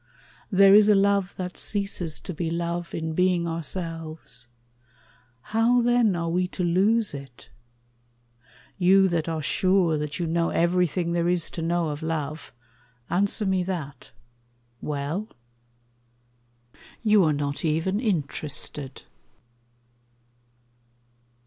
There is a love that ceases to be love In being ourselves. How, then, are we to lose it? You that are sure that you know everything There is to know of love, answer me that. Well? ... You are not even interested.